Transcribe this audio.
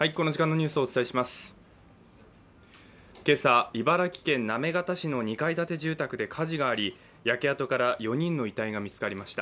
今朝、茨城県行方市の２階建て住宅で火事があり焼け跡から４人の遺体が見つかりました。